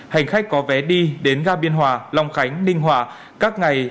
hành khách có vé đi đến ga biên hòa long khánh ninh hòa các ngày